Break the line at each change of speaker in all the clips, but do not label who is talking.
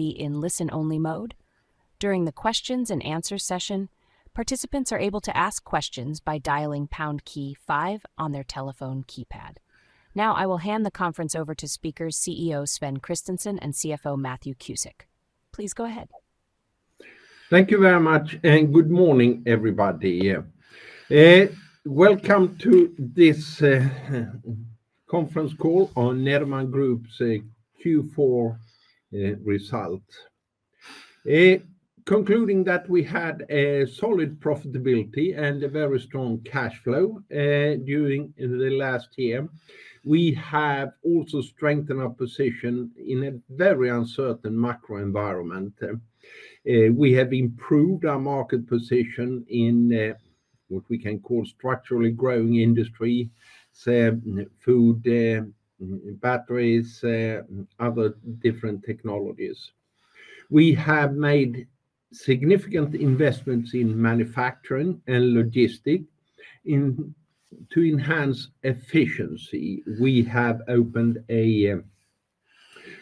Be in listen-only mode during the questions and answers session. Participants are able to ask questions by dialing pound key five on their telephone keypad. Now I will hand the conference over to speakers CEO Sven Kristensson and CFO Matthew Cusick. Please go ahead.
Thank you very much and good morning everybody. Welcome to this conference call on Nederman Group Q4 result. Concluding that we had a solid profitability and a very strong cash flow during the last year. We have also strengthened our position in a very uncertain macro environment. We have improved our market position in what we can call structurally growing industry, food, batteries, other different technologies. We have made significant investments in manufacturing and logistics to enhance efficiency. We have opened a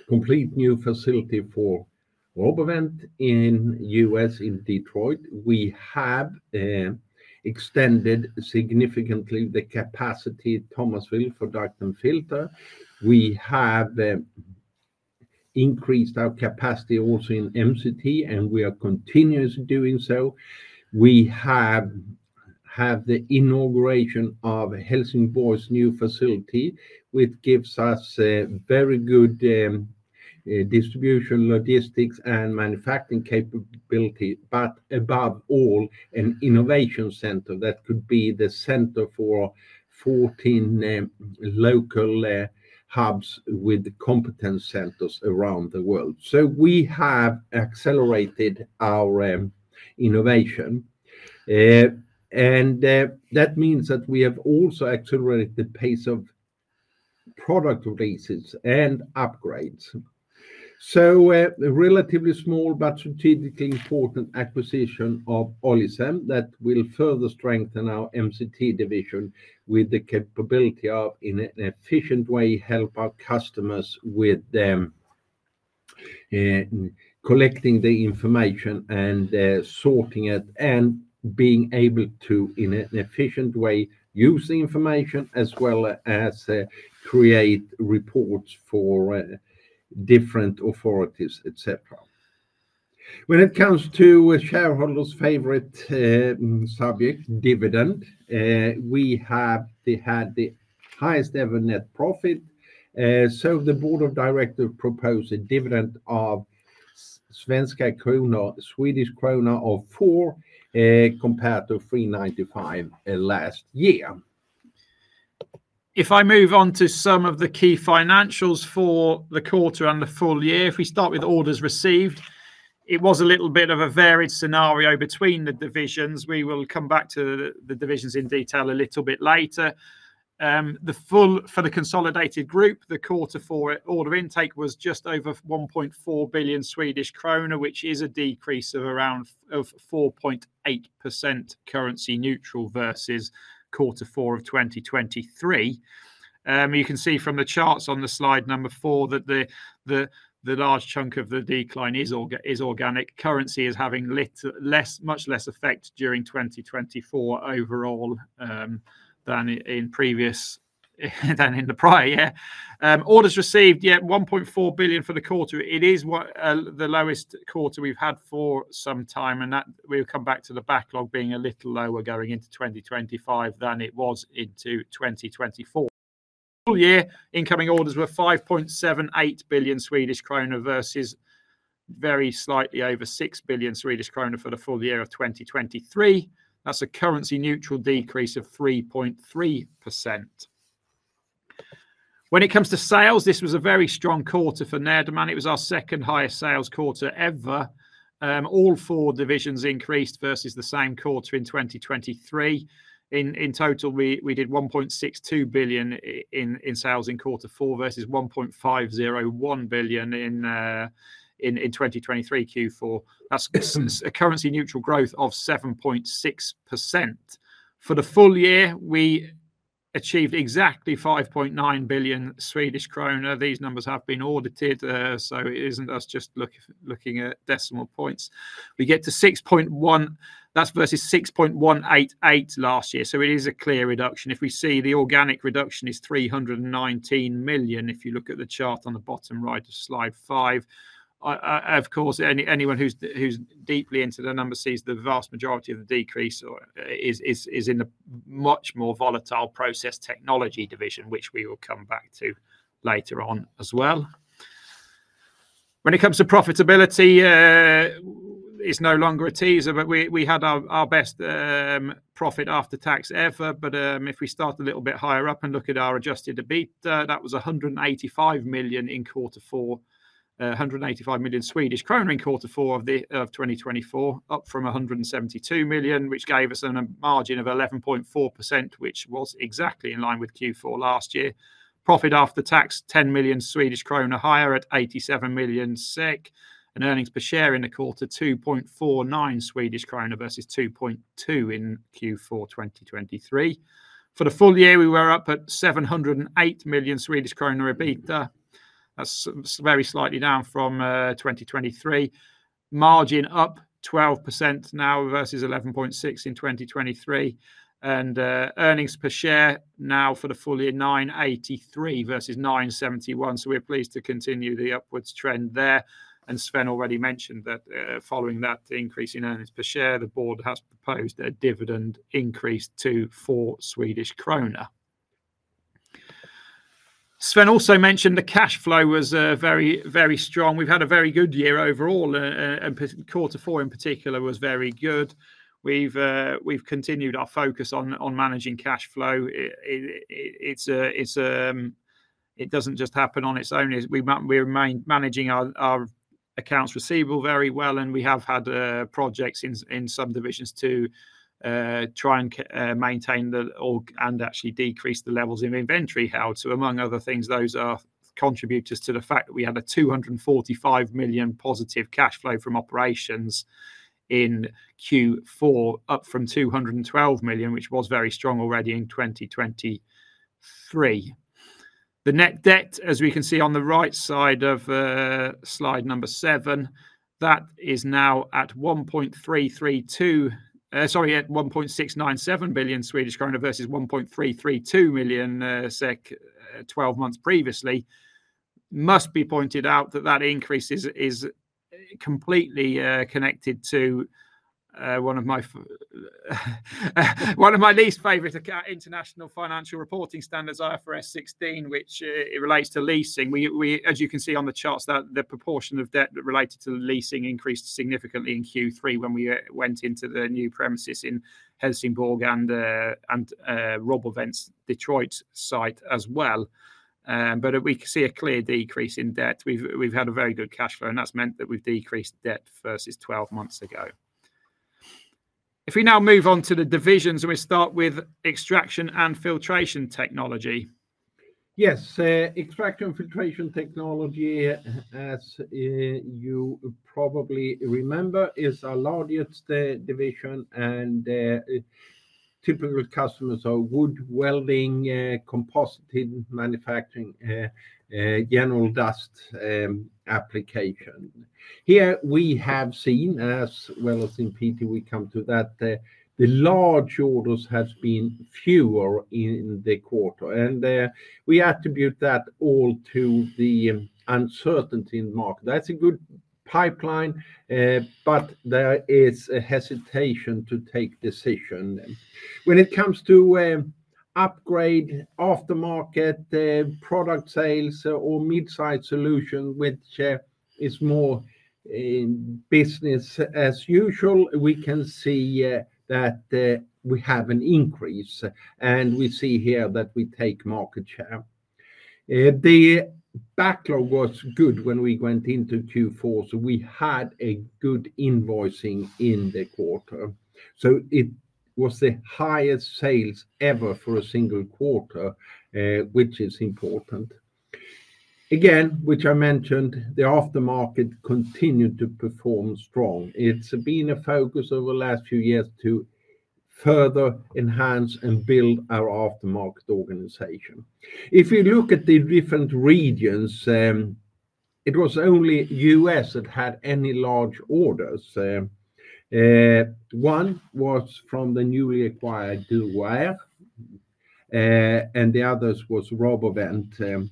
complete new facility for RoboVent in U.S. in Detroit. We have extended significantly the capacity Thomasville for Duct & Filter. We have increased our capacity also in MCT and we are continuously doing so. We have the inauguration of Helsingborg's new facility which gives us very good distribution, logistics and manufacturing capability, but above all an innovation center that could be the center for 14 local hubs with competence centers around the world, so we have accelerated our innovation. And that means that we have also accelerated the pace of product releases and upgrades. So a relatively small but strategically important acquisition of Olicem that we will further strengthen our MCT division with the capability of in an efficient way help our customers with collecting the information and sorting it and being able to in an efficient way use the information as well as create reports for different authorities etc. When it comes to shareholders' favorite subject dividend. We have had the highest ever net profit. So the Board of Directors proposed a dividend of 4 Swedish krona compared to 3.95 last year.
If I move on to some of the key financials for the quarter and the full year. If we start with orders received, it was a little bit of a varied scenario between the divisions. We will come back to the divisions in detail a little bit later. Overall for the consolidated group, the quarter four order intake was just over 1.4 billion Swedish krona, which is a decrease of around 4.8% currency neutral versus quarter four of 2023. You can see from the charts on the slide number four that the large chunk of the decline is organic. Currency is having much less effect during 2024 overall than in the prior year. Orders received was 1.4 billion for the quarter. It is what the lowest quarter we've had for some time and that we'll come back to the backlog being a little lower going into 2025 than it was into 2024. Full year incoming orders were 5.78 billion Swedish kronor versus very slightly over 6 billion Swedish kronor for the full year of 2023. That's a currency neutral decrease of 3.3%. When it comes to sales this was a very strong quarter for Nederman. It was our second highest sales quarter ever. All four divisions increased versus the same quarter in 2023. In total we did 1.62 billion in sales in quarter four versus 1.501 billion. In 2023 Q4, that's a currency neutral growth of 7.6% for the full year we achieved exactly 5.9 billion Swedish kronor. These numbers have been audited. So it isn't us just looking at decimal points, we get to 6.1 billion. That's versus 6.188 billion last year. So it is a clear reduction. If we see the organic reduction is 319 million. If you look at the chart on the bottom right of slide 5. Of course, anyone who's deeply into the number sees the vast majority of the decrease is in a much more volatile Process Technology division, which we will come back to later on as well. When it comes to profitability is no longer a teaser. But we had our best profit after tax ever. But if we start a little bit higher up and look at our adjusted EBITDA that was 185 million in quarter four. 185 million Swedish kronor in quarter four of 2024, up from 172 million which gave us a margin of 11.4% which was exactly in line with Q4 last year. Profit after tax 10 million Swedish kronor higher at 87 million SEK. And earnings per share in the quarter 2.49 Swedish kronor versus 2.2 in Q4 2023. For the full year we were up at 708 million Swedish kronor EBITDA. That's very slightly down from 2023. Margin up 12% now versus 11.6% in 2023. And earnings per share now for the full year 9.83 versus 9.71. So we're pleased to continue the upwards trend there. Sven already mentioned that following that increase in earnings per share, the board has proposed a dividend increase to 4 Swedish kronor. Sven also mentioned the cash flow was very, very strong. We've had a very good year overall and quarter four in particular was very good. We've continued our focus on managing cash flow. It's. It doesn't just happen on its own. We're managing our accounts receivable very well, and we have had projects in subdivisions to try and maintain the [org] and actually decrease the levels of inventory held. So among other things, those are contributors to the fact that we had a 245 million positive cash flow from operations in Q4, up from 212 million which was very strong already in 2020. The net debt, as we can see on the right side of slide number seven, is now at 1.332—sorry, at 1.697 billion Swedish krona versus 1.332 million SEK 12 months previously. It must be pointed out that the increase is completely connected to one of my. One of my least favorite International Financial Reporting Standards, IFRS 16, which relates to leasing. As you can see on the charts, that the proportion of debt related to leasing increased significantly in Q3 when we went into the new premises in Helsingborg and RoboVent's Detroit site as well, but we see a clear decrease in debt. We've had a very good cash flow and that's meant that we've decreased debt 40% versus 12 months ago. If we now move on to the divisions and we start with Extraction & Filtration Technology.
Yes, Extraction Filtration Technology, as you probably remember, is our largest division and typical customers are wood, welding, composites, manufacturing, general dust application. Here we have seen, as well as in PT—we come to that—the large orders has been fewer in the quarter and we attribute that all to the uncertainty in the market. That's a good pipeline, but there is a hesitation to take decision when it comes to upgrade aftermarket product sales or mid-size solution which is more in business as usual. We can see that we have an increase and we see here that we take market share. The backlog was good when we went into Q4, so we had a good invoicing in the quarter. It was the highest sales ever for a single quarter, which is important. Again, which I mentioned, the aftermarket continued to perform strong. It's been a focus over the last few years to further enhance and build our aftermarket organization. If you look at the different regions, it was only us that had any large orders. One was from the newly acquired Duroair, the others was RoboVent.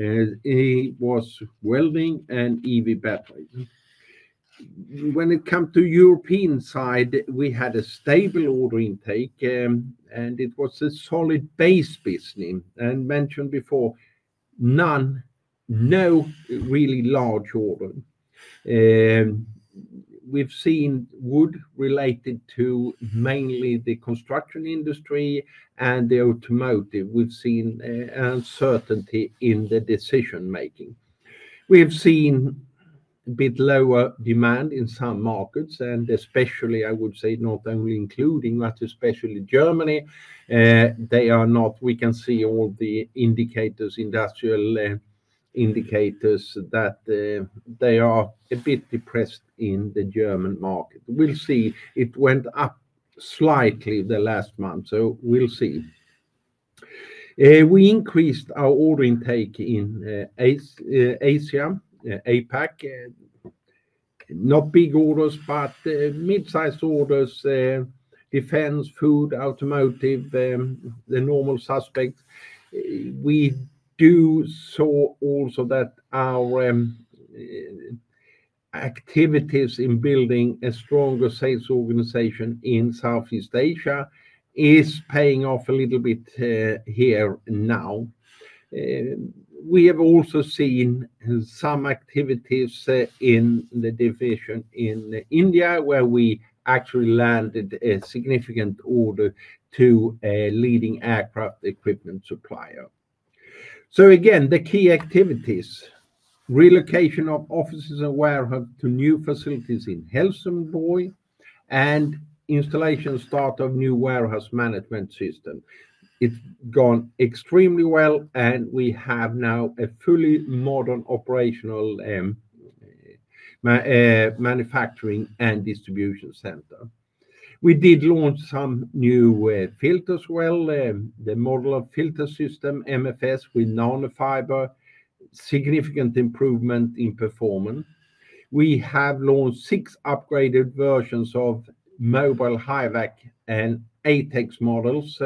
It was welding and EV batteries. When it comes to European side, we had a stable order intake and it was a solid base business. Mentioned before, none, no really large order. We've seen wood related to mainly the construction industry and the automotive. We've seen uncertainty in the decision making. We have seen a bit lower demand in some markets and especially I would say not only including, but especially Germany. They are not. We can see all the indicators, industrial indicators that they are a bit depressed in the German market. We'll see, it went up slightly the last month. So we'll see. We increased our order intake in Asia APAC. Not big orders, but mid-sized orders. Defense, food, automotive. The normal suspect. We do so also that our activities in building a stronger sales organization in Southeast Asia is paying off a little bit here now. We have also seen some activities in the division in India where we actually landed a significant order to a leading aircraft equipment supplier. Again, the key activities are relocation of offices and warehouse to new facilities in Helsingborg and installation start of new warehouse management system. It's gone extremely well and we have now a fully modern operational. Manufacturing and distribution center. We did launch some new filters. Well, the Modular Filter System MFS with nanofiber, significant improvement in performance. We have launched six upgraded versions of mobile high vac and ATEX models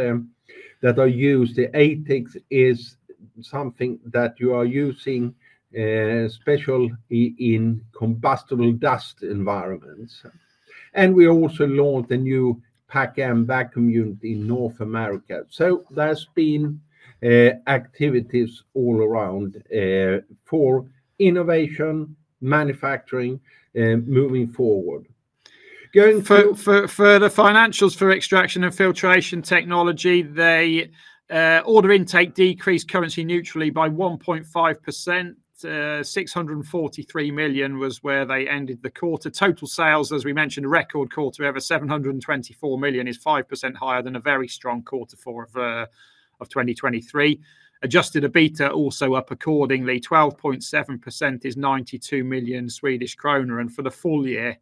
that are used. The ATEX is something that you are using special in comparison, combustible dust environments. We also launched a new PAK-M vacuum unit in North America. There has been activities all around for innovation, manufacturing moving forward.
Going further, financials for Extraction & Filtration Technology. The order intake decreased currency neutrally by 1.5%. 643 million was where they ended the quarter. Total sales, as we mentioned, record quarter, over 724 million, is 5% higher than a very strong quarter four of 2023. Adjusted EBITDA also up accordingly. 12.7% is 92 million Swedish kronor for the full year.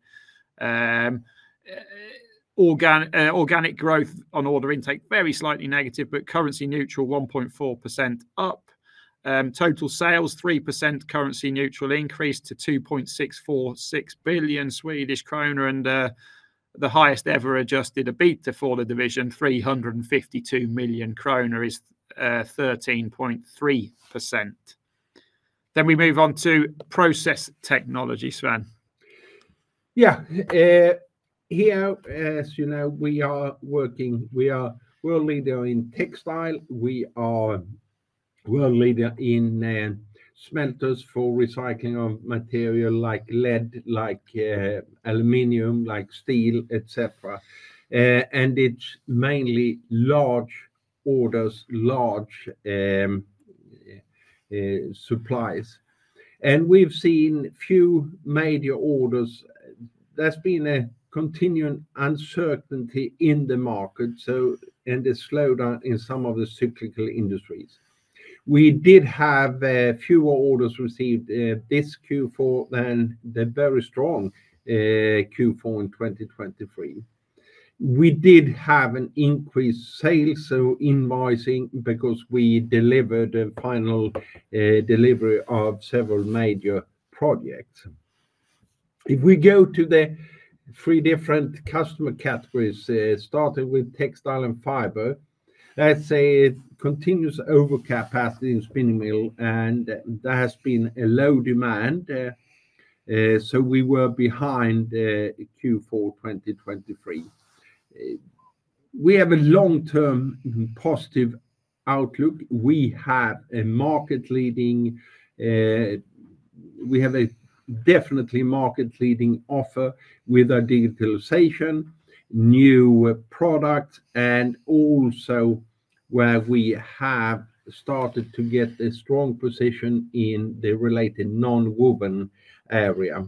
Organic growth on order intake very slightly negative. Currency neutral 1.4% up. Total sales 3%. Currency neutral increased to 2.646 billion Swedish kronor and the highest ever adjusted EBITDA for the division 352 million kronor is 13.3%. We move on to Process Technology. Sven?
Yeah. Here, as you know, we are working. We are world leader in textile. We are world leader in smelters for recycling of material like lead, like aluminum, like steel, etc. It is mainly large orders, large supplies and we've seen few major orders. There's been a continuing uncertainty in the market and the slowdown in some of the cyclical industries. We did have fewer orders received this Q4 than the very strong Q4 in 2023. We did have an increased sales invoicing because we delivered a final delivery of several major projects. If we go to the three different customer categories, starting with Textile & Fiber, let's say continuous overcapacity in spinning mill and there has been a low demand. We were behind Q4 2023. We have a long term positive outlook and we have a market leading. We have a definitely market leading offer with our digitalization new products and also where we have started to get a strong position in the related nonwoven area.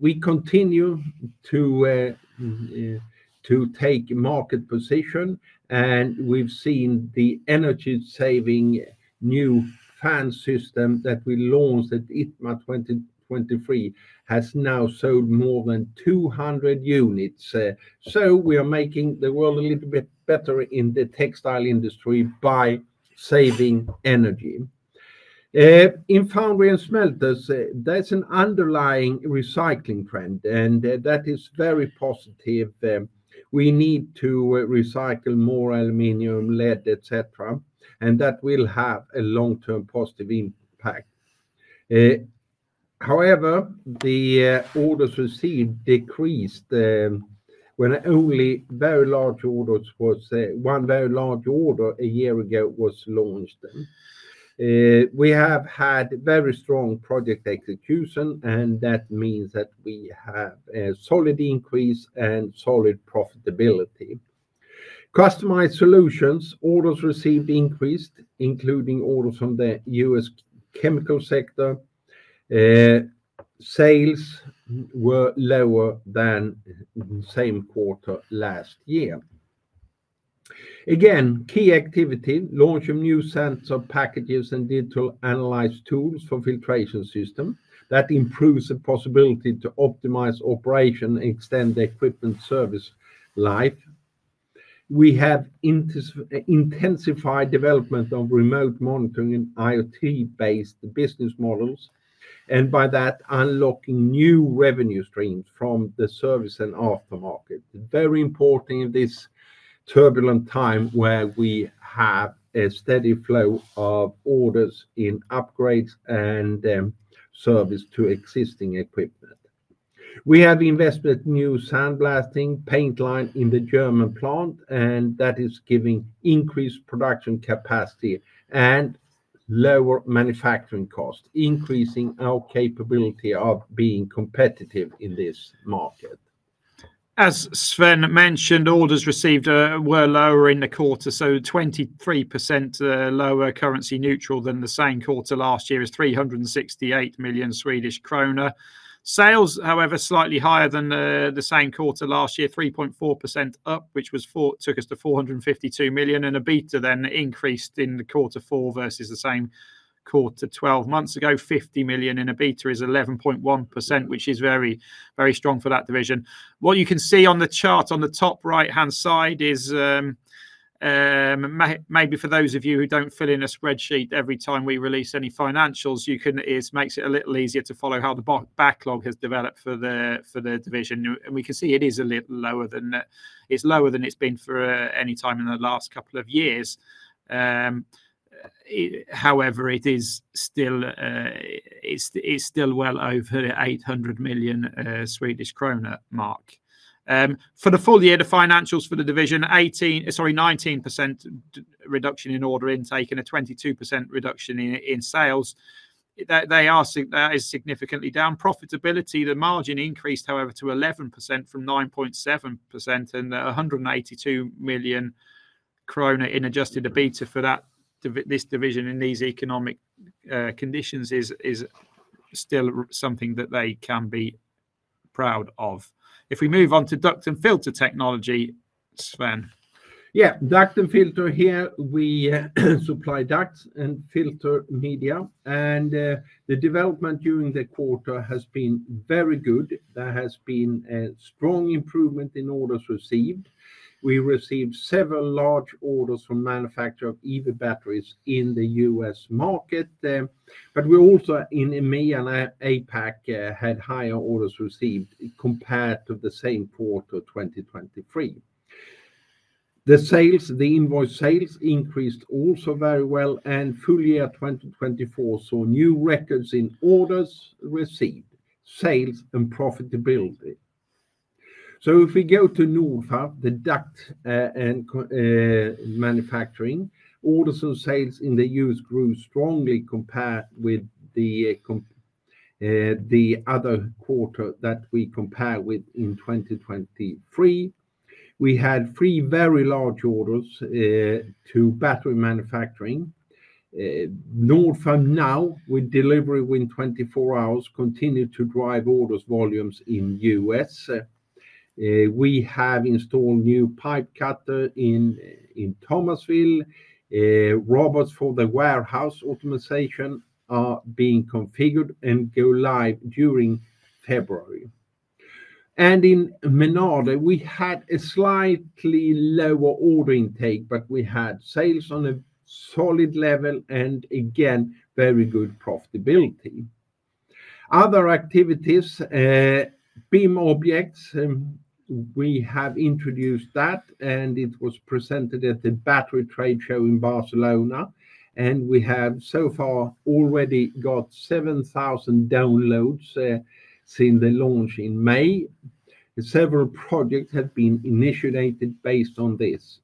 We continue to, to take market position and we've seen the energy saving new fan system that we launched at ITMA 2023 has now sold more than 200 units. We are making the world a little bit better in the textile industry by saving energy. In foundry and smelters. That is an underlying recycling trend and that is very positive. We need to recycle more aluminum, lead, etc. That will have a long term positive impact. However, the orders received decreased when only very large orders—one very large order a year ago—was launched. We have had very strong project execution and that means that we have a solid increase and solid profitability. Customized solutions, orders received increased including orders from the U.S. chemical sector. Sales were lower than same quarter last year. Again, key activity launch of new sensor packages and digital analyze tools for filtration system that improves the possibility to optimize operation, extend the equipment service life. We have intensified development of remote monitoring and IoT based business models and by that unlocking new revenue streams from the service and aftermarket. Very important in this turbulent time where we have a steady flow of orders in upgrades and service to existing equipment. We have invested new sandblasting paint line in the German plant and that is giving increased production capacity and lower manufacturing costs, increasing our capability of being competitive in this market.
As Sven mentioned, orders received were lower in the quarter. Orders were 23.3% lower currency neutral than the same quarter last year, which is 368 million Swedish kronor. Sales, however, were slightly higher than the same quarter last year, 3.4% up, which took us to 452 million. EBITDA then increased in the quarter four versus the same quarter 12 months ago. 50 million in EBITDA is 11.1%, which is very, very strong for that division. What you can see on the chart on the top right hand side is. Maybe for those of you who don't fill in a spreadsheet every time we release any financials, you can, it makes it a little easier to follow how the backlog has developed for the division, and we can see it is a little lower than it's been for any time in the last couple of years. However, it is still over 800 million Swedish krona mark for the full year. The financials for the division: 18—sorry, 19% reduction in order intake and a 22% reduction in sales. That is significantly down profitability. The margin increased however to 11% from 9.7% and 182 million krona in adjusted EBITDA for this division in these economic conditions is still something that they can be proud of. If we move on to Duct & Filter Technology. Sven.
Yeah, Duct & Filter. Here we supply ducts and filter media and the development during the quarter has been very good. There has been a strong improvement in orders received. We received several large orders from manufacture of EV batteries in the U.S. market, but we also in EMEA and APAC had higher orders received compared to the same quarter 2023. The sales, the invoice sales, increased also very well. Full year 2024 saw new records in orders received, sales, and profitability. If we go to Nordfab, the duct and manufacturing orders of sales in the U.S. grew strongly compared with the, the other quarter that we compare with in 2023, we had three very large orders to battery manufacturing Nordfab Now with delivery within 24 hours, continue to drive orders volumes in U.S. We have installed new pipe cutter in Thomasville. Robots for the warehouse optimization are being configured and go live during February. In Menardi we had a slightly lower order intake but we had sales on a solid level and again very good profitability. Other activities BIM objects we have introduced that and it was presented at the battery trade show in Barcelona and we have so far already got 7,000 downloads. Since the launch in May, several projects have been initiated based on this.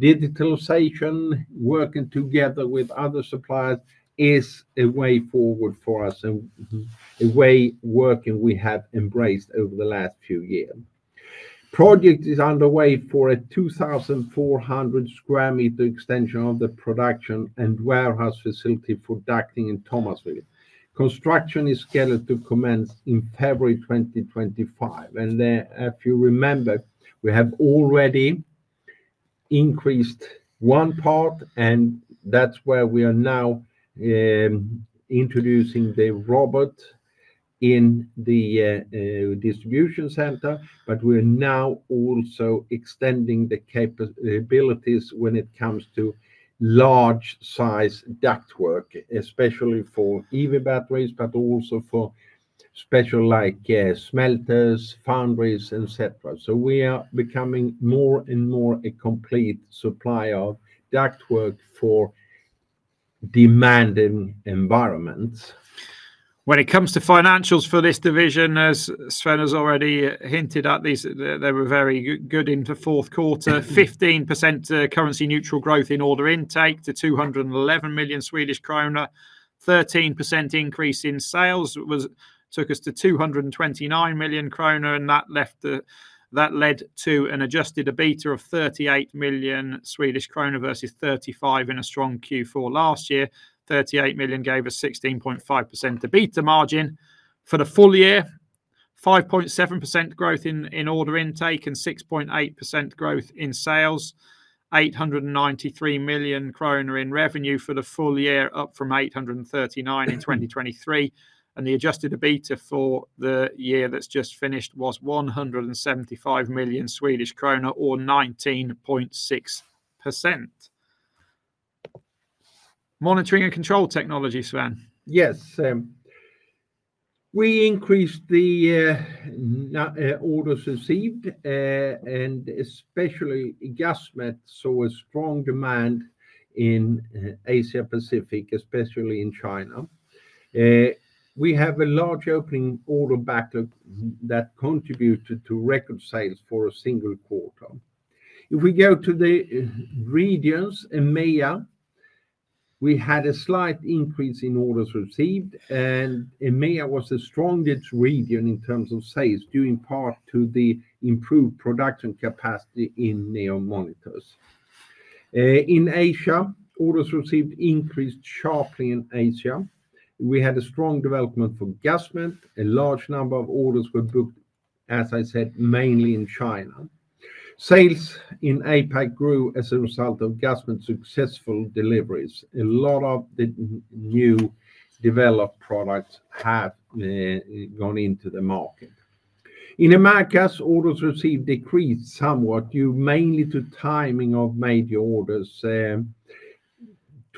Digitalization working together with other suppliers is a way forward for us and a way working we have embraced over the last few years. Project is underway for a 2,400 square meter extension of the production and warehouse facility for ducting in Thomasville. Construction is scheduled to commence in February 2025. If you remember, we have already increased one part and that's where we are now introducing the robot in the distribution center. We are now also extending the capabilities when it comes to large size ductwork, especially for EV batteries, but also for special like smelters, foundries, etc. We are becoming more and more a complete supply of ductwork for demanding environments.
When it comes to financials for this division, as Sven has already hinted at these they were very good. Into fourth quarter, 15% currency neutral growth in order intake to 211 million Swedish krona. 13% increase in sales took us to 229 million krona and that left. That led to an adjusted EBITDA of 38 million Swedish krona versus 35 million in a strong Q4 last year. 38 million gave us a 16.5% EBITDA margin for the full year. 5.7% growth in order intake and 6.8% growth in sales. 893 million kronor in revenue for the full year, up from 839 million in 2023. The adjusted EBITDA for the year that's just finished was 175 million Swedish kronor, or 19.6%. Monitoring & Control Technology. Sven?
Yes. We increased the orders received and especially Gasmet saw a strong demand in Asia Pacific, especially in China. We have a large opening order backlog that contributed to record sales for a single quarter. If we go to the regions EMEA, we had a slight increase in orders received and EMEA was the strongest region in terms of sales due in part to the improved production capacity in NEO Monitors in Asia. Orders received increased sharply in Asia. We had a strong development for Gasmet. A large number of orders were booked, as I said, mainly in China. Sales in APAC grew as a result of Gasmet successful deliveries. A lot of the new developed products have gone into the market in Americas. Orders received decreased somewhat due mainly to timing of major orders.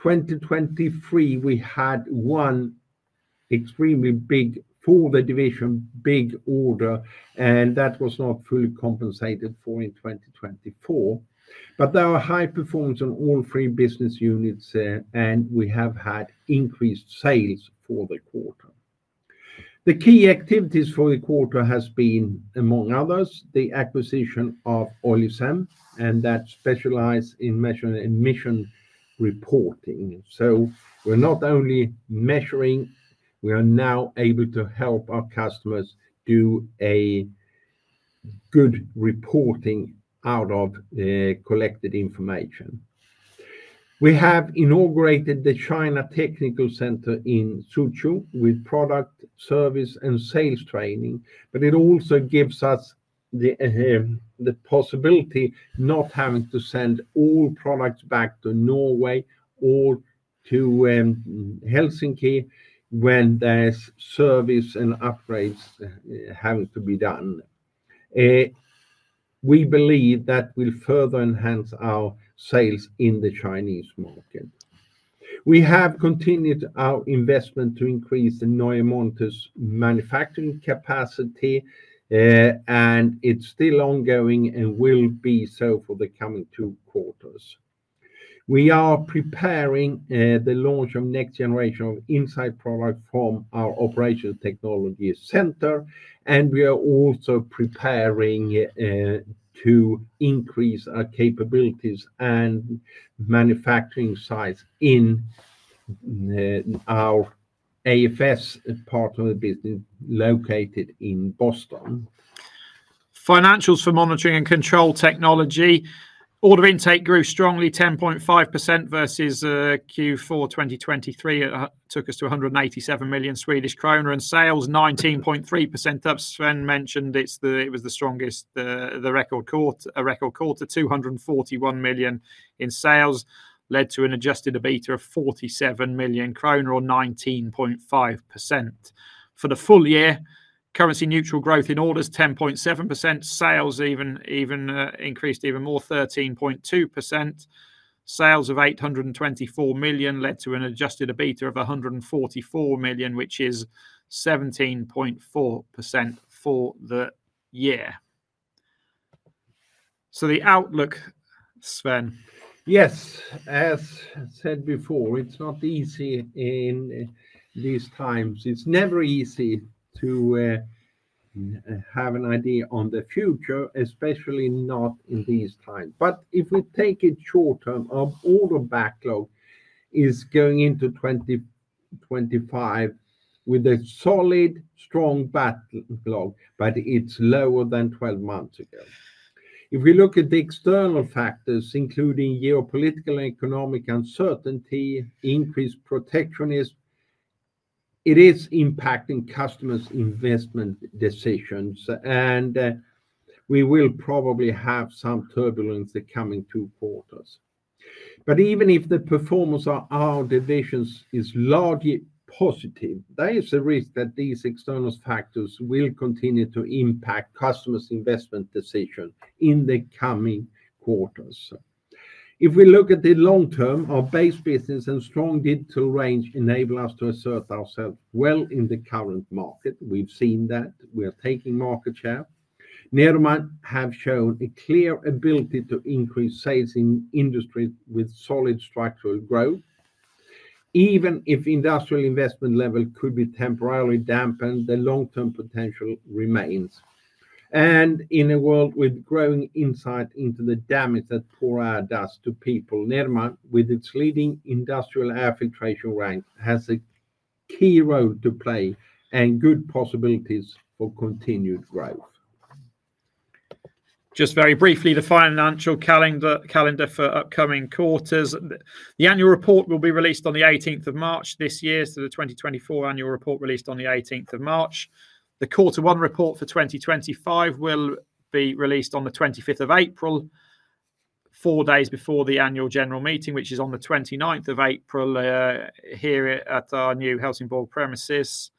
2023 we had one extremely big for the division big order and that was not fully compensated for in 2024. There are high performance on all three business units and we have had increased sales for the quarter. The key activities for the quarter has been, among others, the acquisition of Olicem and that specialize in measuring emission reporting. We are not only measuring, we are now able to help our customers do a good reporting out of collected information. We have inaugurated the China Technical Center in Suzhou with product service and sales training. It also gives us the possibility not having to send all products back to Norway or to Helsinki when there's service and upgrades having to be done. We believe that will further enhance our sales in the Chinese market. We have continued our investment to increase the NEO Monitors manufacturing capacity and it's still ongoing and will be so for the coming two quarters. We are preparing the launch of next generation of Insight product from our Operations Technology Center. We are also preparing to increase our capabilities and manufacturing sites in our AFS part of the business located in Boston.
Financials for Monitoring & Control Technology, order intake grew strongly 10.5% versus Q4 2023. It took us to 187 million Swedish kronor and sales 19.3% up. Sven mentioned it was the strongest. The record quarter. A record quarter 241 million in sales led to an adjusted EBITDA of 47 million kronor or 19.5% for the full year. Currency neutral growth in orders 10.7%. Sales even increased even more 13.2%. Sales of 824 million led to an adjusted EBITDA of 144 million which is 17.4% for the year, the outlook, Sven?
Yes, as said before, it's not easy in these times. It's never easy to. Have an idea on the future, especially not in these times. If we take it short term, our order backlog is going into 2025 with a solid strong backlog. It is lower than 12 months ago. If we look at the external factors including geopolitical economic uncertainty, increased protectionism, it is impacting customers' investment decisions and we will probably have some turbulence the coming two quarters. Even if the performance of our divisions is largely positive, there is a risk that these external factors will continue to impact customers' investment decisions in the coming quarters. If we look at the long term, our base business and strong digital range enable us to assert ourselves well in the current market. We have seen that we are taking market share. Nederman has shown a clear ability to increase sales in industries with solid structural growth. Even if industrial investment level could be temporarily dampened, the long term potential remains. In a world with growing insight into the damage that poor air does to people, Nederman, with its leading industrial air filtration rank, has a key role to play and good possibilities for continued growth.
Just very briefly, the financial calendar for upcoming quarters. The annual report will be released on the 18th of March this year. The 2024 annual report released on the 18th of March. The quarter one report for 2025 will be released on the 25th of April, four days before the annual general meeting, which is on the 29th of April here at our new Helsingborg premises.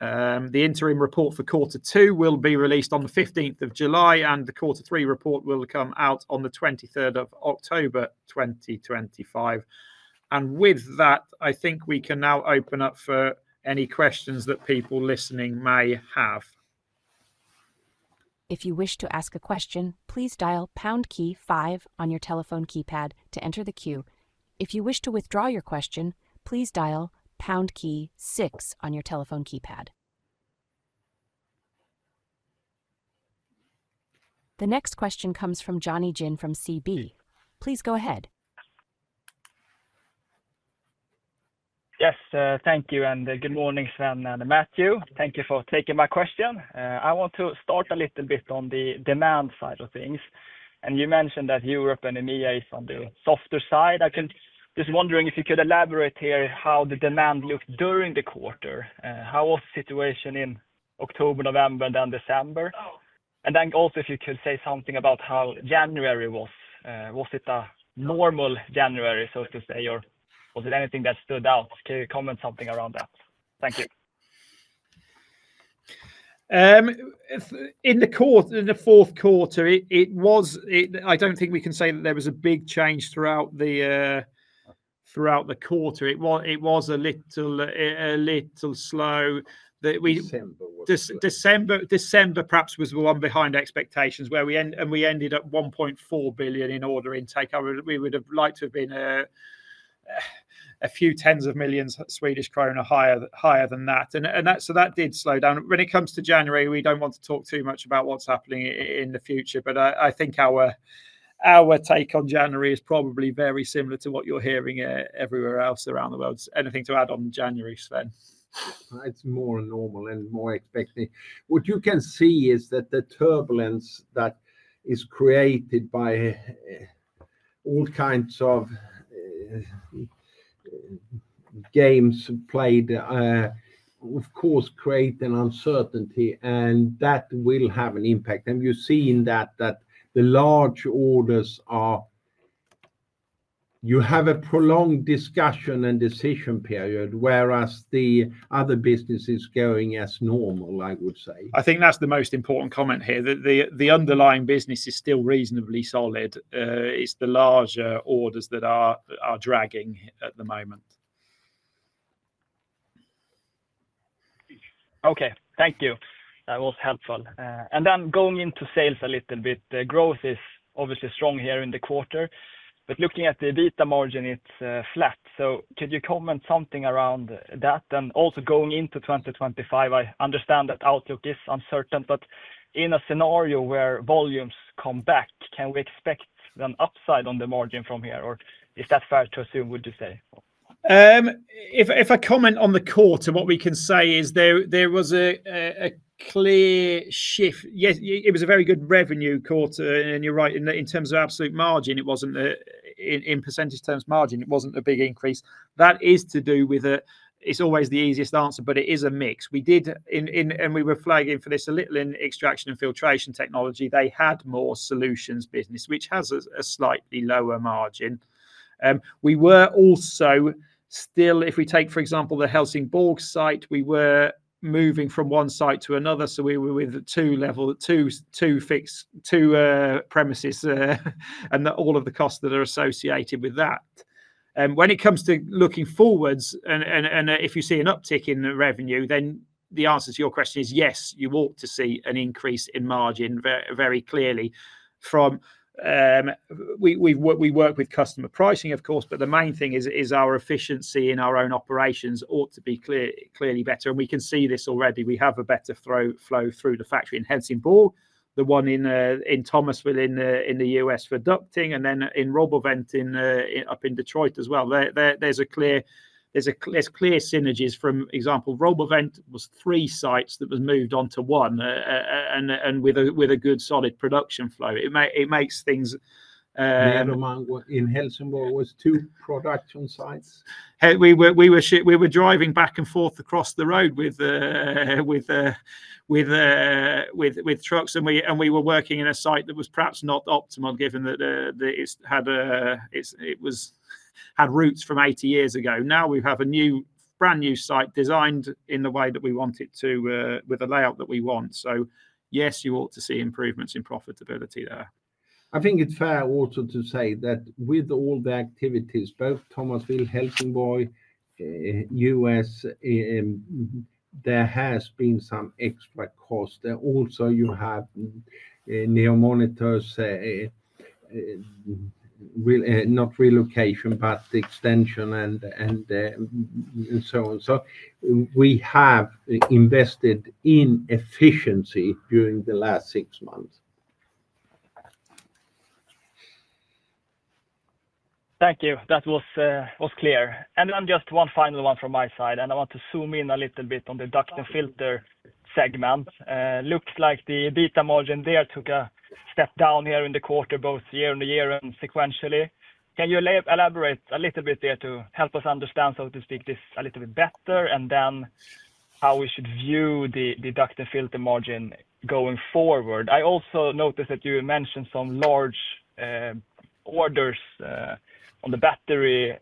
The interim report for quarter two will be released on the 15th of July and the quarter three report will come out on the 23rd of October 2025. With that I think we can now open up for any questions that people listening may have.
If you wish to ask a question, please dial pound key five on your telephone keypad to enter the queue. If you wish to withdraw your question, please dial pound key six on your telephone keypad. The next question comes from Jonny Jin from SEB. Please go ahead.
Yes, thank you. Good morning, Sven and Matthew. Thank you for taking my question. I want to start a little bit on the demand side of things. You mentioned that Europe and EMEA is on the softer side, I can see. Just wondering if you could elaborate here how the demand looked during the quarter. How was the situation in October, November, then December, and then also, if you could say something about how January was. Was it a normal January, so to say, or was it anything that stood out? Can you comment something around that? Thank you.
In the course of the fourth quarter, it was. I don't think we can say that there was a big change throughout the quarter. It was a little slow. December perhaps was the one behind expectations where we ended up 1.4 billion in order intake. We would have liked to have been. A few tens of millions Swedish Krona. Higher. Higher than that and that. So that did slow down. When it comes to January, we don't want to talk too much about what's happening in the future, but I think our. Our take on January is probably very similar to what you're hearing everywhere else around the world. Anything to add on January, Sven?
It's more normal and more expecting. What you can see is that the turbulence that is created by all kinds of games played, of course, create an uncertainty and that will have an impact and you see in that that the large orders are. You have a prolonged discussion and decision period, whereas the other business is going as normal. I would say.
I think that's the most important comment here. The underlying business is still reasonably solid. It's the larger orders that are dragging at the moment.
Okay, thank you. That was helpful. And then going into sales a little bit. The growth is obviously strong here in the quarter, but looking at the EBITDA margin, it's flat. So could you comment something around that? And also going into 2025, I understand that outlook is uncertain, but in a scenario where volumes come back, can we expect an upside on the margin from here or is that fair to assume? Would you say?
If I comment on the quarter, what we can say is there was a clear shift. Yes, it was a very good revenue quarter, and you're right in terms of absolute margin. It wasn't in percentage terms margin. It wasn't a big increase. That is to do with it. It's always the easiest answer, but it is a mix we did in, and we were flagging for this a little in Extraction & Filtration Technology. They had more solutions business which has a slightly lower margin. We were also still. If we take for example the Helsingborg site, we were moving from one site to another, so we were with two level two, two fix two premises and all of the costs that are associated with that when it comes to looking forwards. And if you see an uptick in revenue, then the answer to your question is yes, you ought to see an increase in margin very clearly from. We work with customer pricing of course, but the main thing is our efficiency in our own operations ought to be clearly better and we can see this already. We have a better through flow through the factory in Helsingborg, the one in Thomasville in the US for ducting and then in RoboVent up in Detroit as well. There's clear synergies. For example, RoboVent was three sites that was moved onto one and with a good solid production flow. It makes things.
The Nederman in Helsingborg was two production sites.
We were driving back and forth across the road. With trucks and we were working in a site that was perhaps not optimal given that. It had routes from 80 years ago. Now we have a new brand new site designed in the way that we want it to with the layout that we want. So yes, you ought to see improvements in profitability there.
I think it's fair also to say that with all the activities both Thomasville, Helsingborg, U.S. There has been some extra cost. Also, you have NEO Monitors. Not relocation but extension and so on. So we have invested in efficiency during the last six months.
Thank you. That was clear. And then just one final one from my side and I want to zoom in a little bit on the Duct & Filter segment. Looks like the EBITDA margin there took a step down here in the quarter both year-on-year and sequentially. Can you elaborate a little bit there to help us understand, so to speak, this a little bit better? And then how we should view the Duct & Filter margin going forward? I also noticed that you mentioned some large orders on the battery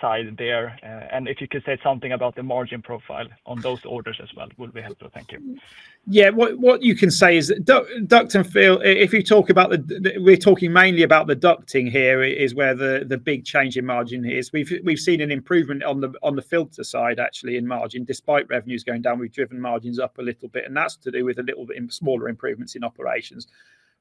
side there. And if you could say something about the margin profile on those orders as well would be helpful. Thank you.
Yeah. What you can say is Duct & Filter. If you talk about the. We're talking mainly about the ducting here is where the big change in margin is. We've seen an improvement on the filter side actually in margin. Despite revenues going down, we've driven margins up a little bit. And that's to do with a little bit smaller improvements in operations.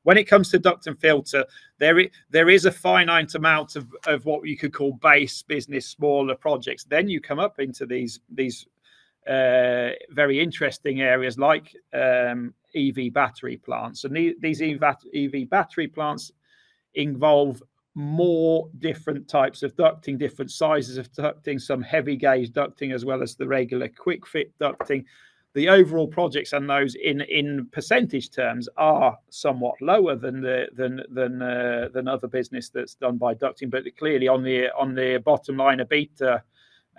When it comes to duct and filter, there is a finite amount of what you could call base business smaller projects. Then you come up into these very interesting areas like EV battery plants. And these EV battery plants involve more different types of ducting, different sizes of ducting, some heavy gauge ducting as well as the regular quick fit ducting. The overall projects and those in percentage terms are somewhat lower than the other business that's done by ducting. But clearly on the bottom line of EBITDA,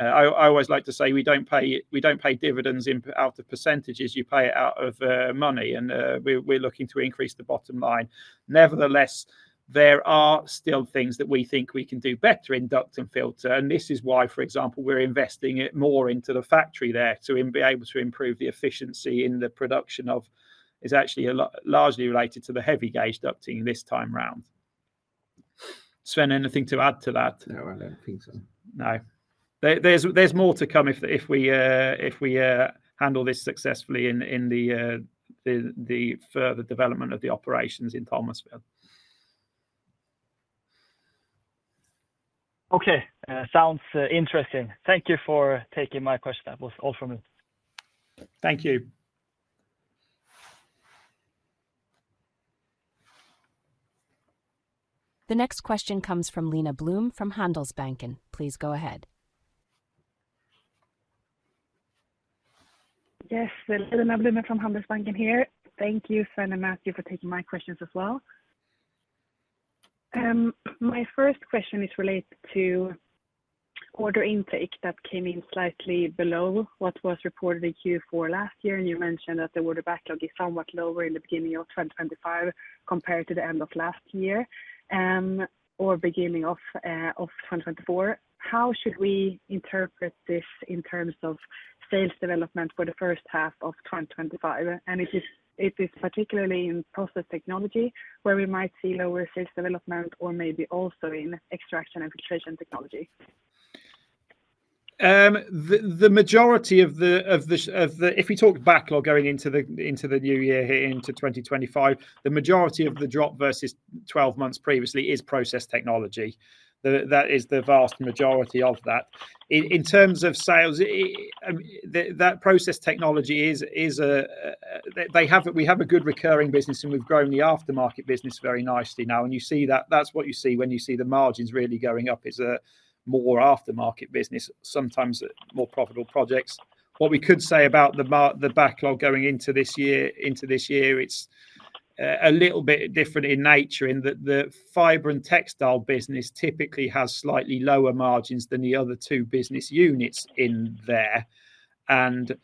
I always like to say we don't pay dividends out of percentages. You pay it out of money. And we're looking to increase the bottom line. Nevertheless, there are still things that we think we can do better in duct and filter. And this is why, for example, we're investing more into the factory there to be able to improve the efficiency in the production, which is actually largely related to the heavy gauge ducting this time round. Sven, anything to add to that?
No, I don't think so.
No. There's more to come if we handle this successfully. The further development of the operations in Thomasville.
Okay, sounds interesting. Thank you for taking my question. That was all for me, thank you.
The next question comes from Lina Blum from Handelsbanken. Please go ahead.
Yes, Lina Blum from Handelsbanken here. Thank you Sven and Matthew for taking my questions as well. My first question is related to order intake. That came in slightly below what was reported in Q4 last year. And you mentioned that the order backlog is somewhat lower in the beginning of 2025 compared to the end of last year or beginning of 2024. How should we interpret this in terms of sales development for the first half of 2025 and it is particularly in Process Technology where we might see lower sales development or maybe also in Extraction & Filtration Technology?
If we talk backlog going into the New Year into 2025, the majority of the drop versus 12 months previously is Process Technology. That is the vast majority of that. In terms of sales that Process Technology is. We have a good recurring business and we've grown the aftermarket business very nicely now. And you see that, that's what you see when you see the margins really going up is a more aftermarket business, sometimes more profitable projects. What we could say about the backlog going into this year, it's a little bit different in nature in that the fiber and textile business typically has slightly lower margins than the other two business units in there. And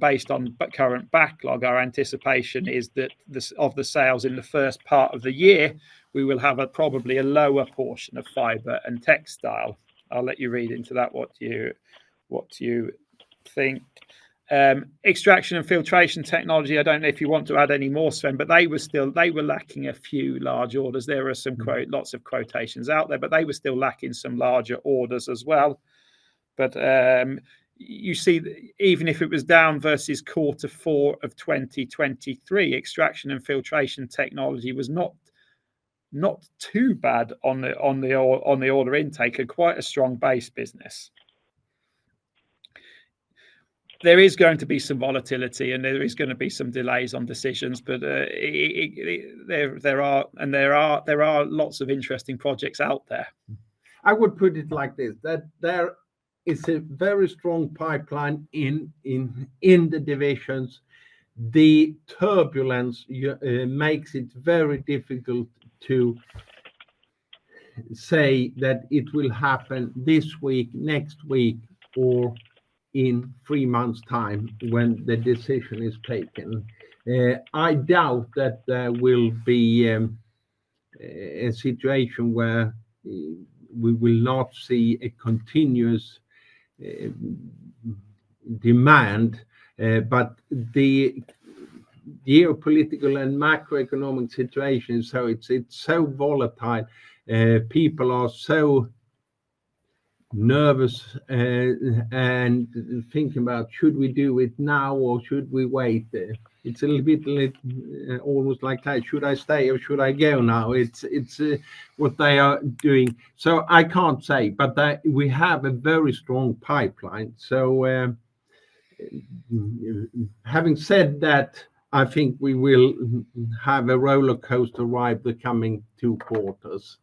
based on current backlog, our anticipation is that of the sales in the first part of the year we will have probably a lower portion of fiber and textile. I'll let you read into that what you think, Extraction & Filtration Technology. I don't know if you want to add any more Sven, but they were lacking a few large orders. There are some quite lots of quotations out there, but they were still lacking some larger orders as well. But you see, even if it was down versus quarter four of 2023, Extraction & Filtration Technology was not too bad on the order intake and quite a strong base business. There is going to be some volatility and there is going to be some delays on decisions, but. There are lots of interesting projects out there.
I would put it like this that there is a very strong pipeline in the divisions. The turbulence makes it very difficult to say that it will happen this week, next week or in three months time when the decision is taken. I doubt that there will be a situation where we will not see a continuous demand, but the geopolitical and macroeconomic situation. So it's so volatile, people are so. Nervous and thinking about should we do it now or should we wait there? It's a little bit almost like should I stay or should I go now? It's, it's what they are doing. So I can't say but that we have a very strong pipeline. So, having said that, I think we will have a roller coaster ride the coming two quarters.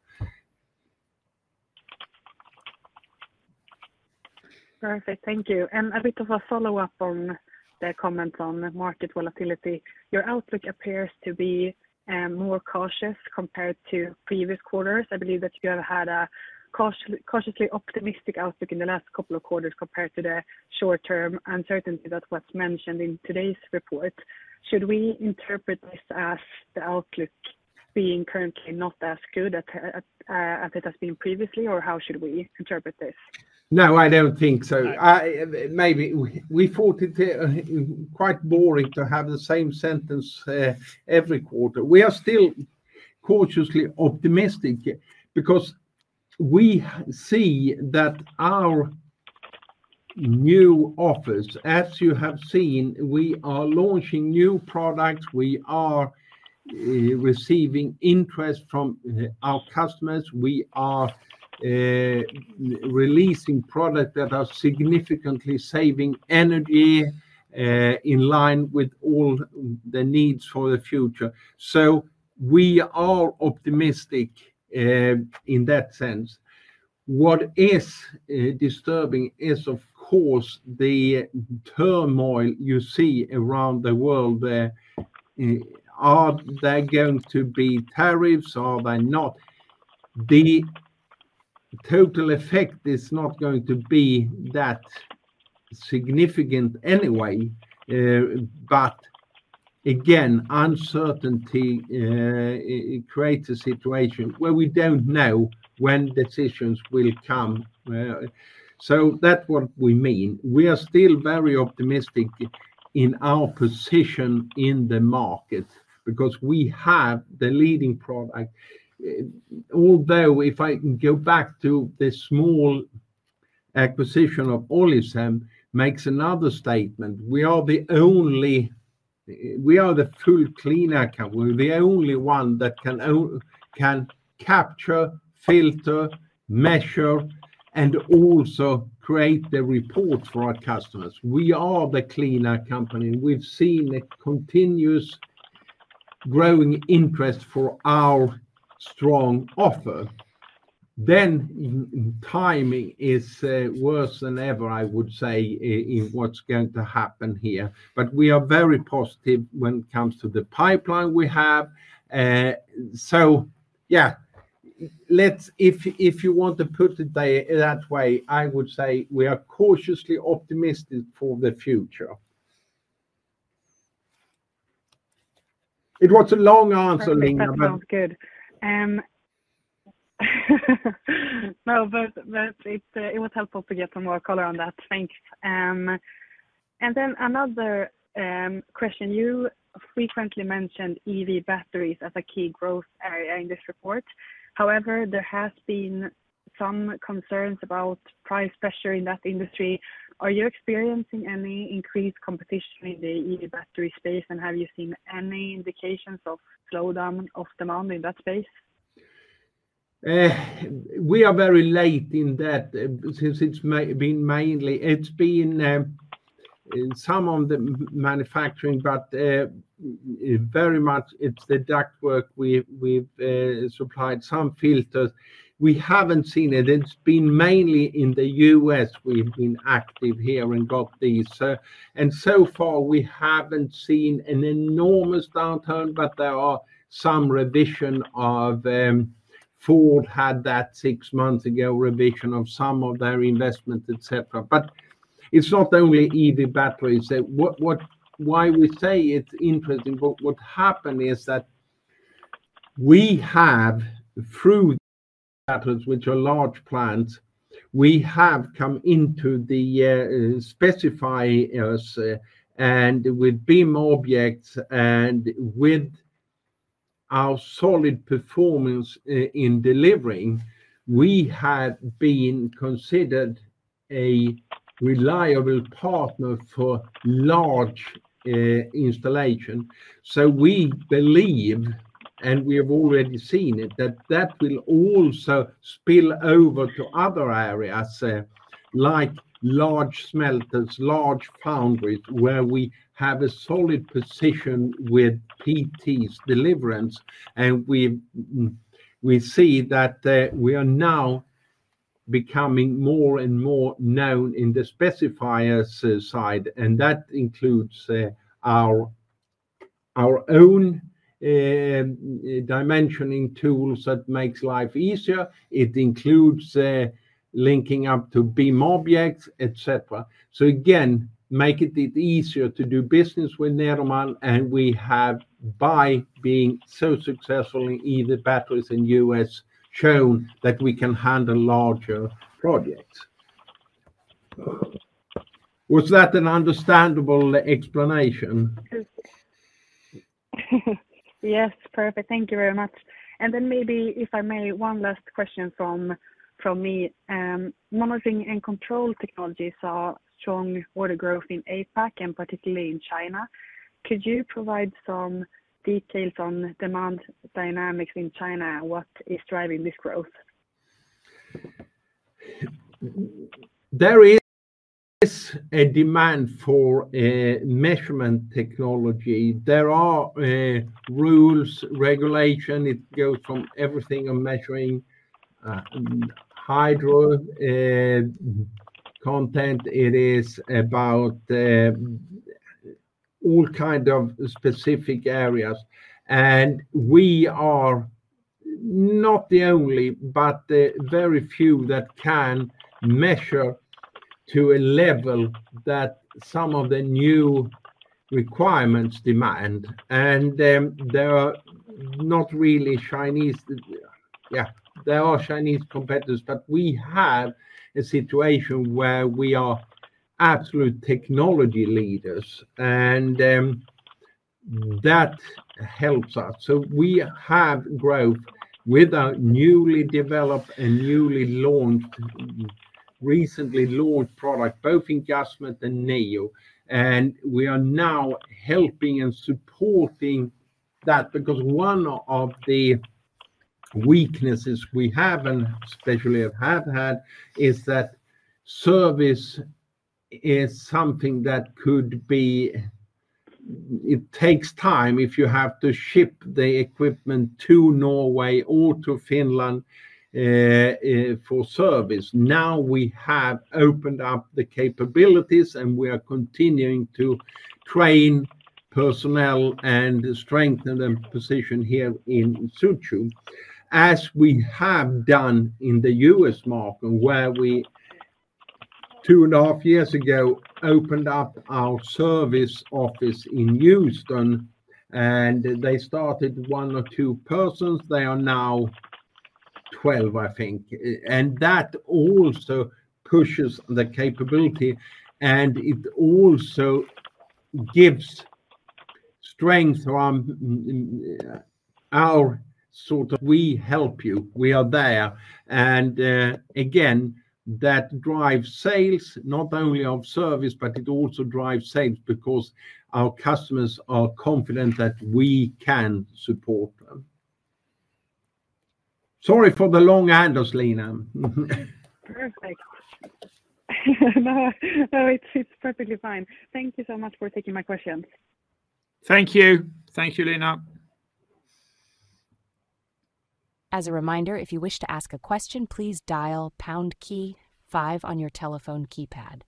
Perfect. Thank you. And a bit of a follow up on the comments on market volatility. Your outlook appears to be more cautious compared to previous quarters. I believe that you have had a cautious, cautiously optimistic outlook in the last couple of quarters compared to the short term uncertainty that was mentioned in today's report. Should we interpret this as the outlook being currently not as good as it has been previously or how should we interpret this?
No, I don't think so. Maybe we thought it quite boring to have the same sentence every quarter. We are still cautiously optimistic because we see that our new office, as you have seen, we are launching new products. We are receiving interest from our customers. We are releasing products that are significantly saving energy in line with all the needs for the future. So we are optimistic in that sense. What is disturbing is of course the turmoil you see around the world. Are there going to be tariffs? Are they not? The total effect is not going to be that significant anyway, but again uncertainty creates a situation where we don't know when decisions will come, so that's what we mean. We are still very optimistic in our position in the market because we have the leading product. Although if I can go back to the small acquisition of Olicem makes another statement. We are the only full Clean Air Company. We're the only one that can capture, filter, measure and also create the reports for our customers. We are the cleaner company. We've seen a continuous growing interest for our strong offer, then timing is worse than ever I would say in what's going to happen here, but we are very positive when it comes to the pipeline we have. If you want to put it there that way, I would say we are cautiously optimistic for the future. It was a long answer, Lina.
Sounds good. No, but it was helpful to get some more color on that. Thanks. Another question. You frequently mentioned EV batteries as a key growth area in this report. However, there has been some concerns about price pressure in that industry. Are you experiencing any increased competition in the evaporation space, and have you seen any indications of slowdown of demand in that space?
We are very late in that since it's been mainly it's been in some of the manufacturing but very much it's the ductwork. We've supplied some filters. We haven't seen it. It's been mainly in the U.S. We've been active here and got these and so far we haven't seen an enormous downturn. There are some revision of Ford had that six months ago, revision of some of their investment, et cetera. It's not only EV batteries why we say it's interesting. What happened is that we have, through which are large plants, we have come into the specifiers and with BIM objects and with our solid performance in delivering, we have been considered a reliable partner for large installation. So we believe and we have already seen it that will also spill over to other areas like large smelters, large foundries where we have a solid position with PT's delivery and we see that we are now becoming more and more known in the specifiers side and that includes our own dimensioning tools that makes life easier. It includes linking up to BIM objects etc. Again, make it easier to do business with Nederman. We have, by being so successful in either batteries in U.S., shown that we can handle larger projects. Was that an understandable explanation?
Yes, perfect. Thank you very much. Maybe, if I may, one last question from me. Monitoring & Control Technologies are showing strong water growth in APAC and particularly in China. Could you provide some details on demand dynamics in China? What is driving this growth?
There is a demand for measurement technology. There are rules, regulations. It goes from everything on measuring hydro content. It is about, all kind of specific areas and we are not the only but the very few that can measure to a level that some of the new requirements demand. They are not really Chinese. Yeah, there are Chinese competitors but we have a situation where we are absolute technology leaders. That helps us. We have growth with our newly developed and newly launched, recently launched product both in Gasmet and NEO. We are now helping and supporting that because one of the weaknesses we have, and especially I have had, is that service is something that could be. It takes time if you have to ship the equipment to Norway or to Finland. For service. Now we have opened up the capabilities and we are continuing to train personnel and strengthen the position here in such a way as we have done in the US market, where we two and a half years ago opened up our service office in Houston and they started with one or two persons, they are now 12, I think. That also pushes the capability and it also gives strength. We help you, we are there. That drives sales, not only of service, but it also drives sales because our customers are confident that we can support them. Sorry for the long handles, Lina.
Perfect.Now it's perfectly fine. Thank you so much for taking my question.
Thank you. Thank you, Lina.
As a reminder, if you wish to ask a question, please dial pound key five on your telephone keypad.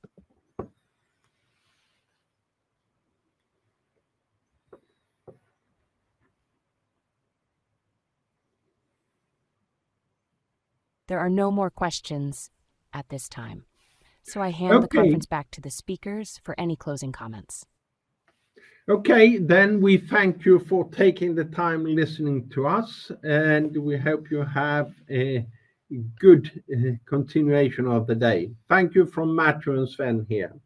There are no more questions at this time, so I hand the conference back to the speakers for any closing comments.
Okay then, we thank you for taking the time listening to us and we hope you have a good continuation of the day. Thank you from Matthew and Sven here.